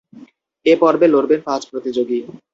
এ পর্বে লড়বেন পাঁচ প্রতিযোগী।